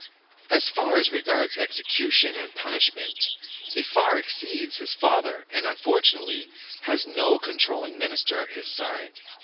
As far as regards execution and punishment, he far exceeds his father; and, unfortunately, has no controlling minister at his side.